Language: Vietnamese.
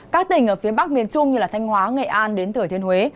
các tỉnh ở phía bắc miền trung như thanh hóa nghệ an thời thiên huế